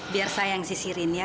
biar saya yang sisirin ya